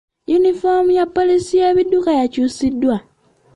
Yunifoomu ya poliisi y'ebidduka yakyusiddwa.